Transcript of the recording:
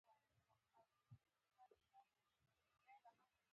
د کروندګرو د مالیاتو لوړولو له لارې سرچینې برابرول و.